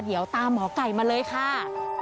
เดี๋ยวตามหมอไก่มาเลยค่ะ